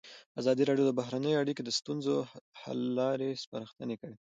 ازادي راډیو د بهرنۍ اړیکې د ستونزو حل لارې سپارښتنې کړي.